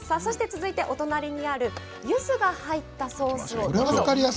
続いてお隣にあるゆずが入ったソースを。